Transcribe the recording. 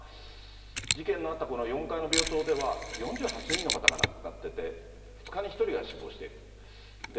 事件のあったこの４階の病棟では４８人の方が亡くなってて、２日に１人は死亡している。